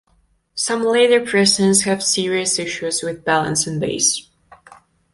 Some later pressings have serious issues with balance and bass.